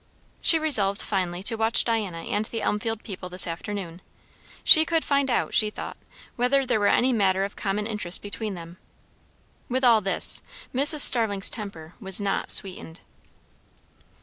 She resolved finally to watch Diana and the Elmfield people this afternoon; she could find out, she thought, whether there were any matter of common interest between them. With all this, Mrs. Starling's temper was not sweetened.